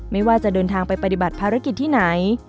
ไม่ว่าจะเดินทางไปปฏิบัติภารกิจที่ไหน